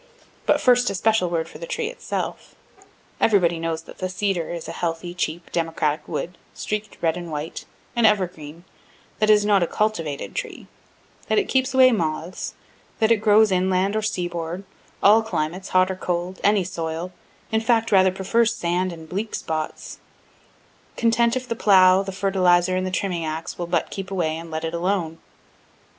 But first a special word for the tree itself: everybody knows that the cedar is a healthy, cheap, democratic wood, streak'd red and white an evergreen that it is not a cultivated tree that it keeps away moths that it grows inland or seaboard, all climates, hot or cold, any soil in fact rather prefers sand and bleak side spots content if the plough, the fertilizer and the trimming axe, will but keep away and let it alone.